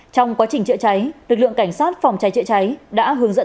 trong quá trình chữa cháy lực lượng cảnh sát phòng cháy chữa cháy đã hướng dẫn